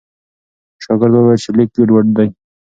شاګرد وویل چې لیک ګډوډ دی.